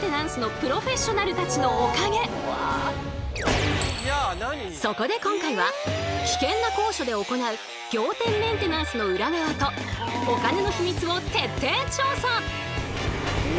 このそこで今回は危険な高所で行う仰天メンテナンスの裏側とお金のヒミツを徹底調査！